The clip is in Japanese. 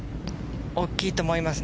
大きいと思います。